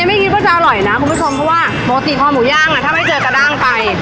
อันนี้ไม่คิดว่าจะอร่อยนะคุณผู้ชมเพราะว่าบ๊อกติดทอมหมูย่างอ่ะถ้าไม่เจอกะด้างไป